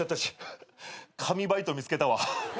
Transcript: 神バイト見つけたわ。